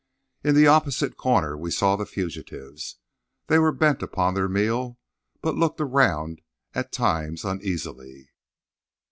In the opposite corner we saw the fugitives. They were bent upon their meal, but looked around at times uneasily.